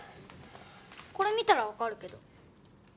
これ見たらわかるけど。